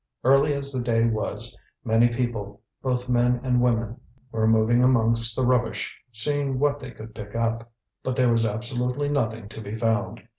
Early as the day was, many people, both men and women, were moving amongst the rubbish, seeing what they could pick up. But there was absolutely nothing to be found.